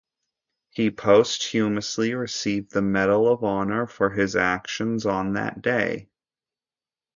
He posthumously received the Medal of Honor for his actions on that day.